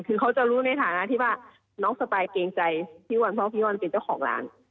คือเขาจะรู้ในฐานะที่ว่าน้องสปายเกรงใจพี่วันเพราะว่าพี่วันเป็นเจ้าของร้าน